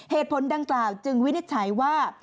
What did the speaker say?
เหตุผลดังกล่าวจึงวินิจฉัยว่า